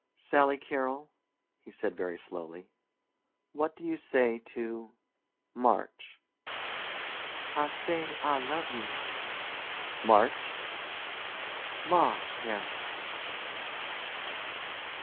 "Sally Carol," he said very slowly, "what do you say to March?" "I say I love you." "March?" "March, Harry."